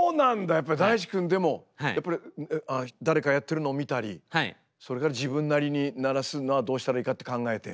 やっぱりＤａｉｃｈｉくんでもやっぱり誰かやってるのを見たりそれから自分なりに鳴らすのはどうしたらいいかって考えて？